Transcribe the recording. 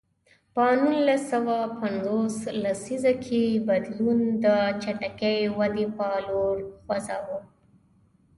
په نولس سوه پنځوس لسیزه کې بدلون د چټکې ودې په لور خوځاوه.